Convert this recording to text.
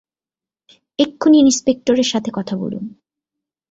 এক্ষুনই ইন্সপেক্টরের সাথে কথা বলুন।